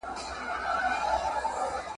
د تاریخ په اړه باید منصفانه قضاوت وسي.